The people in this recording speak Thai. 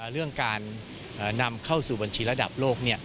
เรื่องการนำเข้าสู่บัญชีระดับโลก